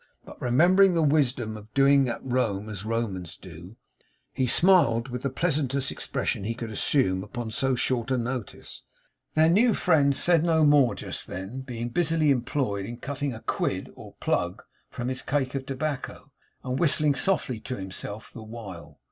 But remembering the wisdom of doing at Rome as Romans do, he smiled with the pleasantest expression he could assume upon so short a notice. Their new friend said no more just then, being busily employed in cutting a quid or plug from his cake of tobacco, and whistling softly to himself the while.